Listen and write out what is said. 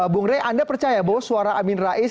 bung rey anda percaya bahwa suara amin rais